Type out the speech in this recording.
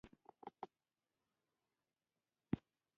زړه د قربانۍ سره آرامېږي.